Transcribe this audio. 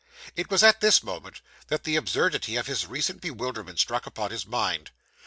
It was at this moment that the absurdity of his recent bewilderment struck upon his mind.